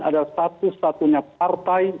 ada satu satunya partai